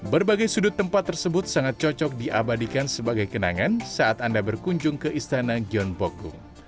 berbagai sudut tempat tersebut sangat cocok diabadikan sebagai kenangan saat anda berkunjung ke istana gyeonbokgung